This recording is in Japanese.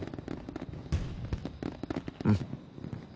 うん。